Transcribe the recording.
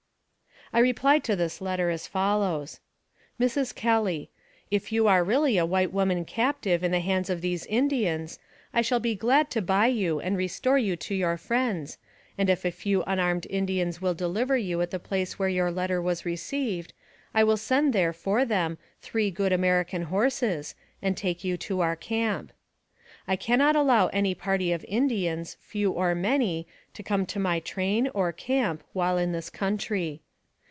9 ' I replied to this letter as follows :" MRS. KELLY :" If you are really a white woman captive in the hands of these Indians, I shall be glad to buy you and restore you to your friends, and if a few unarmed In dians will deliver you at the place where your letter 276 NARRATIVE OF CAPTIVITY was received, I will send there for them three good American horses, and take you to our camp. " I can not allow any party of Indians, few or many, to come to my train, or camp, while in this country.